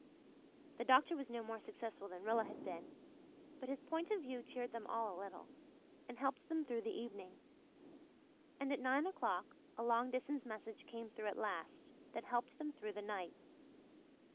The doctor was no more successful than Rilla had been, but his point of view cheered them all a little, and helped them through the evening. And at nine o'clock a long distance message came through at last, that helped them through the night.